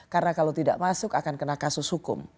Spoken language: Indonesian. karena kalau tidak masuk akan kena kasus hukum